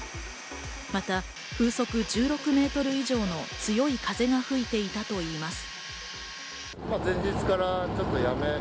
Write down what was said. また風速１６メートル以上の強い風が吹いていたといいます。